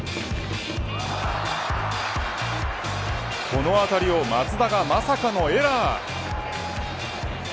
この当たりを松田がまさかのエラー。